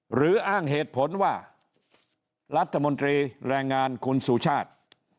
หรืออ้างเหตุผลว่ารัฐมนตรีแรงงานคุณสุชาติ